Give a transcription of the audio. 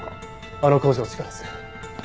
あの工場地下です。